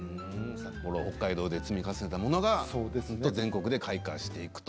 北海道で積み重ねてきたものが全国で開花していくと。